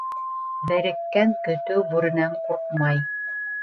Береккән көтөү бүренән ҡурҡмай.